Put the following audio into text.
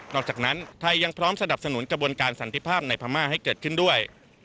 อกจากนั้นไทยยังพร้อมสนับสนุนกระบวนการสันติภาพในพม่าให้เกิดขึ้นด้วย